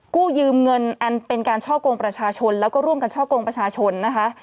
กู้ยืมเงินอันเป็นการช่อกงประชาชนแล้วก็ร่วมกันช่อกงประชาชนนะคะ